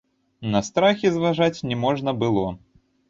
На страхі зважаць не можна было.